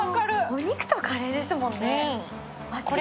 お肉とカレーですもんね、間違いない。